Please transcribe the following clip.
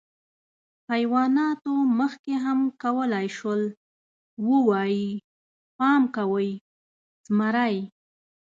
حیواناتو مخکې هم کولی شول، ووایي: «پام کوئ، زمری!».